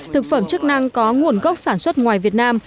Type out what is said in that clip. thực phẩm chức năng có nguồn gốc sản xuất ngoài việt nam